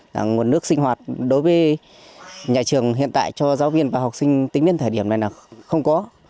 là nguồn nước sinh hoạt đối với nhà trường hiện tại cho giáo viên và học sinh tính đến thời điểm này là không có